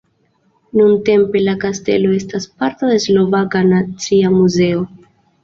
Nuntempe la kastelo estas parto de Slovaka nacia muzeo.